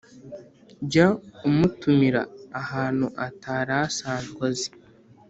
jya umutumira ahantu atari asanzwe azi,